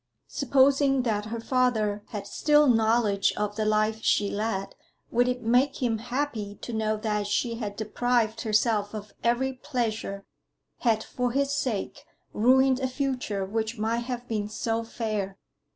Supposing that her father had still knowledge of the life she led, would it make him happy to know that she had deprived herself of every pleasure, had for his sake ruined a future which might have been so fair?